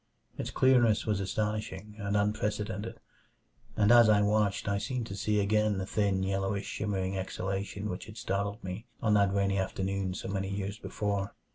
Its clearness was astonishing and unprecedented and as I watched I seemed to see again the thin, yellowish, shimmering exhalation which had startled me on that rainy afternoon so many years before.